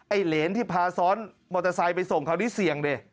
เหรนที่พาซ้อนมอเตอร์ไซค์ไปส่งคราวนี้เสี่ยงดิ